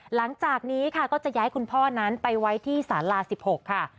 หลังจากนี้ค่ะก็จะย้ายคุณพ่อนั้นไปไว้ที่สารา๑๖ค่ะ